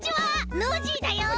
ノージーだよ！